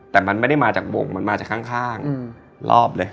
แต่มันไม่ได้มาจากบ่งมันมาจากข้างรอบเลย